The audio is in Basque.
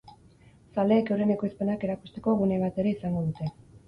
Zaleek euren ekoizpenak erakusteko gune bat ere izango dute.